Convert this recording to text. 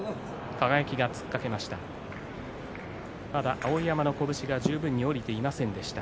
輝が突っかけました。